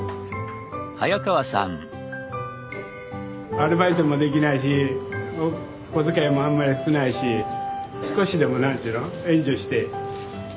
アルバイトもできないし小遣いもあんまり少ないし少しでも何ていうの援助して頑張ってもらいたい。